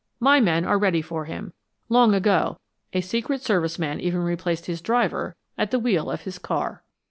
"My men are ready for him. Long ago a Secret Service man even replaced his driver at the wheel of his car."